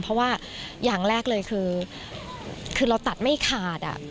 เพราะว่าอย่างแรกเลยคือเราตัดไม่ขาด